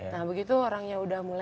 nah begitu orangnya udah mulai